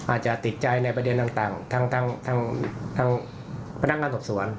อาจจะติดใจในประเด็นต่างทั้งพนักงานสอบสวน